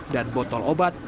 dan botol obat